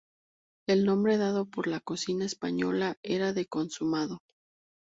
El nombre dado por la cocina española era de consumado.